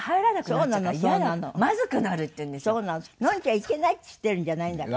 飲んじゃいけないって言ってるんじゃないんだから。